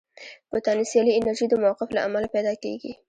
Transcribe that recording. پوتانسیلي انرژي د موقف له امله پیدا کېږي.